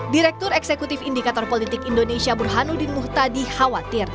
direktur eksekutif indikator politik indonesia burhanuddin muhtadi khawatir